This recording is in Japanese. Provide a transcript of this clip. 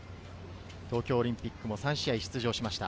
東京オリンピックで３試合出場しました。